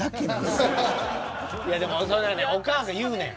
いやでもそれはおかあが言うねん。